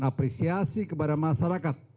apresiasi kepada masyarakat